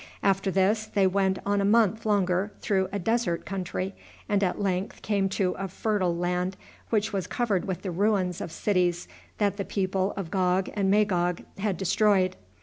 After this they went on a month longer through a desert country, and at length came to a fertile land which was covered with the ruins of cities that the people of Gog and Magog had destroyed.